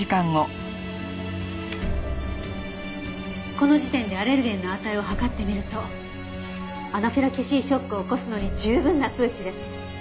この時点でアレルゲンの値を測ってみるとアナフィラキシーショックを起こすのに十分な数値です。